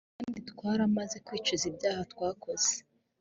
kandi twaramaze kwicuza ibyaha twakoze